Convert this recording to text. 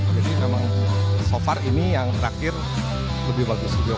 jadi memang so far ini yang terakhir lebih bagus juga